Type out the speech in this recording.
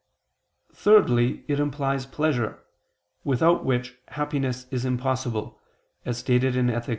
Thirdly, it implies pleasure, without which happiness is impossible, as stated in _Ethic.